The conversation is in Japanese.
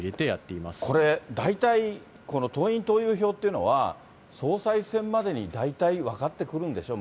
これ、大体この党員・党友票というのは、総裁選までに大体分かってくるんでしょう？